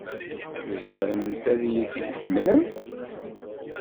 Tzemremt ad iyi-t-id-temlemt?